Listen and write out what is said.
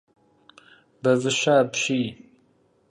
Бэвыщэ апщий!